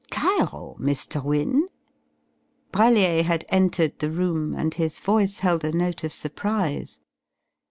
"Cairo, Mr. Wynne?" Brellier had entered the room and his voice held a note of surprise.